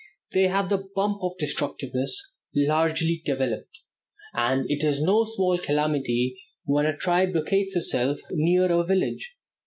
They have the bump of destructiveness largely developed, and it is no small calamity when a tribe locates itself near a village.